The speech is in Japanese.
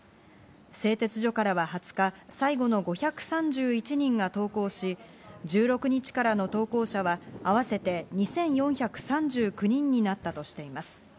製鉄所からは２０日、最後の５３１人が投降し、１６日からの投降者はあわせて２４３９人になったとしています。